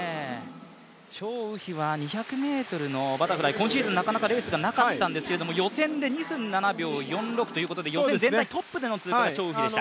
張雨霏は２００ｍのバタフライ今シーズンなかなかレースがなかったんですけれども予選で２分７秒４６ということで予選全体アトップでの通過でした。